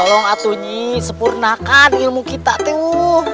aku harus menggunakan ajem pabuk kasku